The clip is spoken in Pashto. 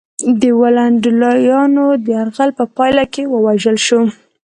د ونډالیانو د یرغل په پایله کې ووژل شو.